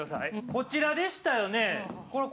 こちらでしたよね。